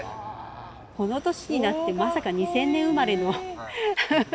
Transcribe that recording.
この年になってまさか２０００年生まれのフフ。